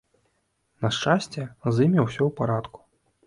На шчасце, з імі ўсё ў парадку.